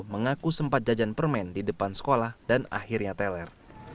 mengaku sempat jajan permen di depan sekolah dan akhirnya teler